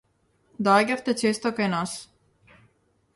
Доаѓавте често кај нас.